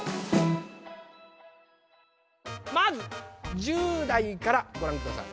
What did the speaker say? まず１０代からご覧下さい！